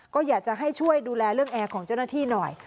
ก็อยากจะให้ช่วยดูแลเรื่องแอร์ของเจ้าหน้าที่หน่อย